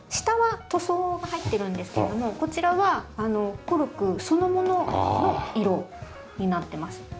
下は塗装が入ってるんですけれどもこちらはコルクそのものの色になってます。